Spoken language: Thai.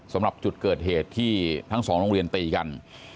สำหรับจุดเกิดเหตุที่ทั้งสองโรงเรียนตีกัน